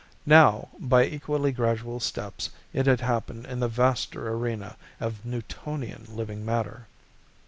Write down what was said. Now, by equally gradual steps, it had happened in the vaster arena of Newtonian living matter.